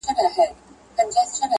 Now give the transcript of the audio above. قومي، او سیمه ییزې کرکې را ولاړوي